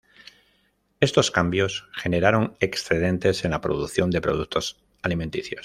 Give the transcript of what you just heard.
Estos cambios generaron excedentes en la producción de productos alimenticios.